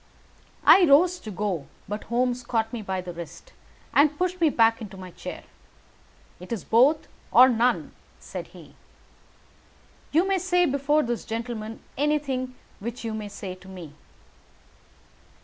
I rose to go, but Holmes caught me by the wrist and pushed me back into my chair. "It is both, or none," said he. "You may say before this gentleman anything which you may say to me."